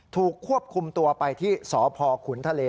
ถูกควบคุมตัวไปที่สพขุนทะเล